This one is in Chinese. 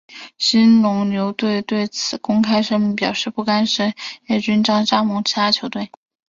兴农牛队对此公开声明表示不干涉叶君璋加盟其他球队。